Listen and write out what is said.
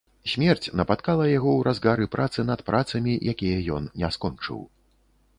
Смерць напаткала яго ў разгары працы над працамі, якія ён не скончыў.